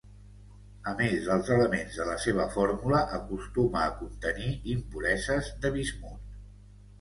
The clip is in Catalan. A més dels elements de la seva fórmula, acostuma a contenir impureses de bismut.